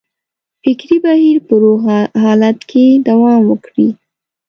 فکري بهیر په روغ حالت کې دوام وکړي.